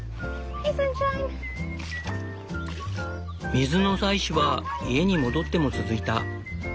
水の採取は家に戻っても続いた。